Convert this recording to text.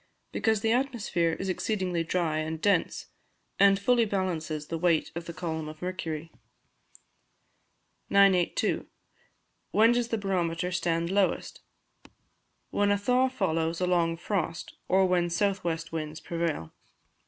_ Because the atmosphere is exceedingly dry and dense, and fully balances the weight of the column of mercury. 982. When does the Barometer stand lowest? When a thaw follows a long frost, or when south west winds prevail.